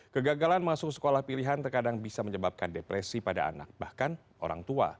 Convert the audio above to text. kegagalan masuk sekolah pilihan terkadang bisa menyebabkan depresi pada anak bahkan orang tua